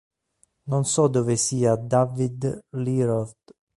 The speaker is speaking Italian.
Non so dove sia Davvid Lee Roth.